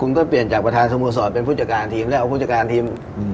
คุณก็เปลี่ยนจากประธานสโมสรเป็นผู้จัดการทีมแล้วเอาผู้จัดการทีม